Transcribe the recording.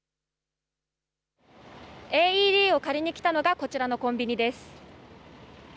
ＡＥＤを借りに来たのがこちらのコンビニです。